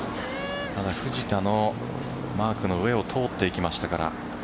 ただ藤田のマークの上を通っていきましたから。